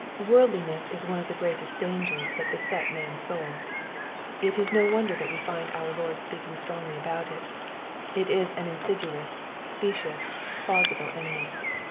Worldlinesa is one of the greatest dangers that beset man's souL It is no wonder that we find our Lord speaking strongly about it. It is an insidious, specious, plausible enemy.